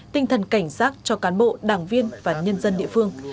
tinh thần cảnh giác cho cán bộ đảng viên và nhân dân địa phương